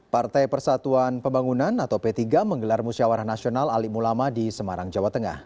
partai persatuan pembangunan atau p tiga menggelar musyawarah nasional ali ulama di semarang jawa tengah